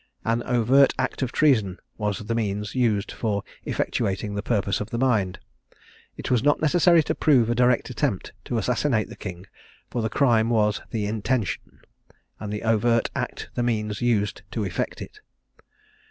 An overt act of treason was the means used for effectuating the purpose of the mind: it was not necessary to prove a direct attempt to assassinate the king; for the crime was the intention, and the overt act the means used to effect it.